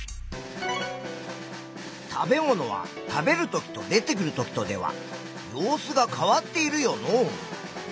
食べ物は食べるときと出てくるときとでは様子が変わっているよのう。